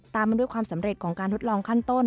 มาด้วยความสำเร็จของการทดลองขั้นต้น